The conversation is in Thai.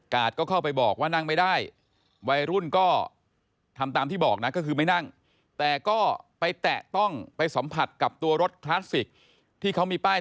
การ์ดก็เข้าไปบอกว่านั่งไม่ได้